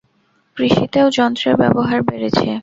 কৃষিতেও যন্ত্রের ব্যবহার বেড়েছে।